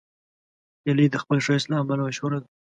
هیلۍ د خپل ښایست له امله مشهوره ده